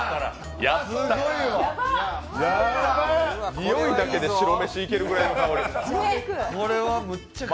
においだけで白飯いけるぐらいの香り。